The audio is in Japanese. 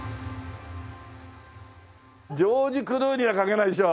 ジョージ・クルーニーは書けないでしょ？